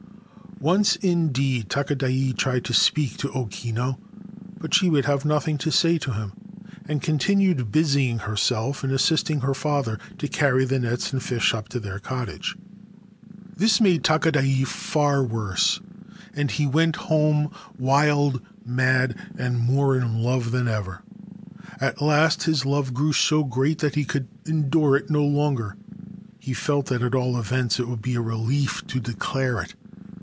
Once, indeed, Takadai tried to speak to O Kinu ; but she would have nothing to say to him, and continued busying herself in assisting her father to carry the nets and fish up to their cottage. This made Takadai far worse, and he went home wild, mad, and more in love than ever. At last his love grew so great that he could endure it no longer. He felt that at all events it would be a relief to declare it.